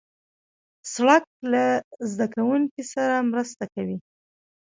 سړک له زدهکوونکو سره مرسته کوي.